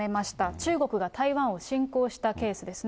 中国が台湾を侵攻したケースですね。